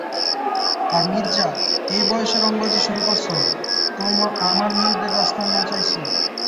আর মির্জা, এই বয়সে রংবাজি শুরু করসো, আমার মেয়েদের রাস্তায় নাচাইতেছ।